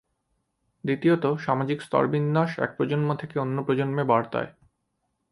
দ্বিতীয়ত, সামাজিক স্তরবিন্যাস এক প্রজন্ম থেকে অন্য প্রজন্মে বর্তায়।